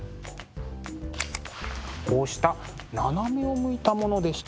こうした斜めを向いたものでした。